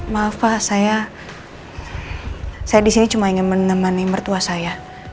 maaf pak saya saya disini cuma ingin menemani mertua saya